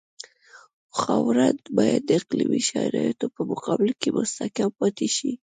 خاوره باید د اقلیمي شرایطو په مقابل کې مستحکم پاتې شي